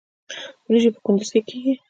وریجې په کندز کې کیږي